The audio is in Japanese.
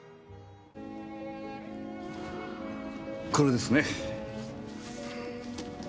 これですね。